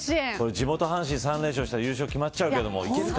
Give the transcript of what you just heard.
地元阪神３連勝したら優勝決まっちゃうけども。